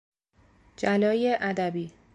جلای ادبی